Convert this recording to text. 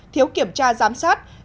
thiếu kiểm tra giám sát